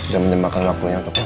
jam jam makan waktunya